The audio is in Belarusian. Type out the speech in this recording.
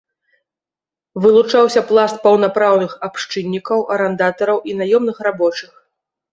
Вылучаўся пласт паўнапраўных абшчыннікаў, арандатараў і наёмных рабочых.